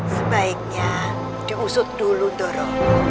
sebaiknya diusut dulu doro